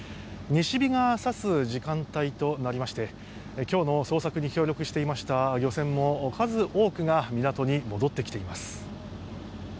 西日が差す時間帯となりまして今日の捜索に協力していました漁船も数多くが港に戻ってきています。